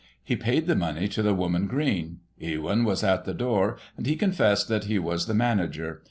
He paid the money to the woman Green. Ewyn was at the door, and he confessed that he was the manager.